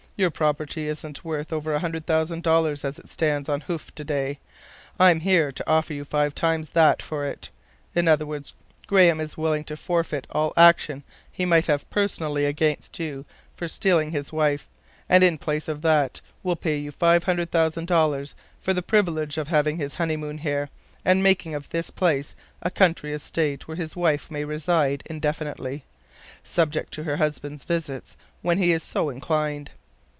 Your property isn't worth over a hundred thousand dollars as it stands on hoof today. I'm here to offer you five times that for it. In other words, Graham is willing to forfeit all action he might have personally against you for stealing his wife, and in place of that will pay you five hundred thousand dollars for the privilege of having his honeymoon here, and making of this place a country estate where his wife may reside indefinitely, subject to her husband's visits when he is so inclined.